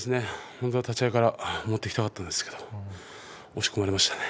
本当は立ち合いから持っていきたかったんですけど押し込まれましたね。